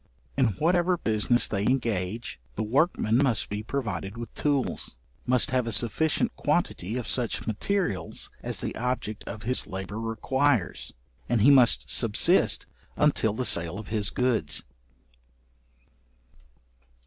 In whatever business they engage, the workman must be provided with tools, must have a sufficient quantity of such materials as the object of his labour requires: and he must subsist until the sale of his goods.